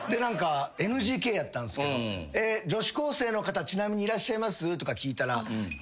ＮＧＫやったんすけど「女子高生の方ちなみにいらっしゃいます？」とか聞いたら。